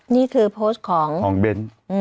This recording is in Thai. นี่คือโพสต์ของเบ้น